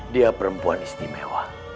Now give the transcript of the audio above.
dia perempuan istimewa